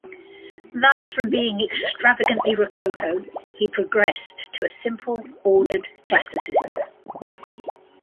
Thus from being extravagantly rococo he progressed to a simple ordered classicism.